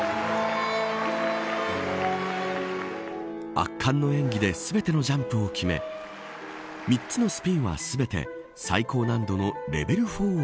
圧巻の演技で全てのジャンプを決め３つのスピンは全て最高難度のレベル４を